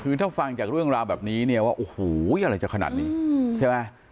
คือถ้าฟังจากเรื่องราวแบบนี้ว่าโอ้โหอะไรจะขนาดนี้